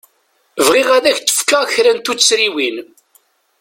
Bɣiɣ ad k-d-fkeɣ kra n tuttriwin.